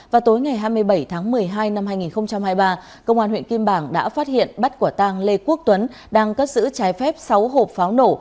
vào tối ngày hai mươi bảy tháng một mươi hai năm hai nghìn hai mươi ba công an huyện kim bảng đã phát hiện bắt quả tàng lê quốc tuấn đang cất giữ trái phép sáu hộp pháo nổ